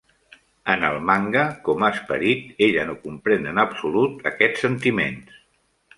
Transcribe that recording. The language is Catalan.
En el manga, com a esperit, ella no comprèn en absolut aquests sentiments